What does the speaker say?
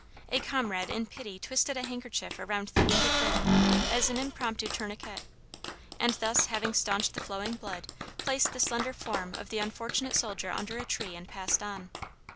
A comrade in pity twisted a handkerchief around the wounded limb as an impromptu tourniquet, and thus having staunched the flowing blood, placed the slender form of the unfortunate soldier under a tree and passed on.